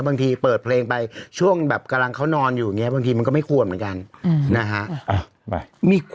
บางทีเปิดเพลงไปช่วงแบบกำลังเขานอนอยู่อย่างนี้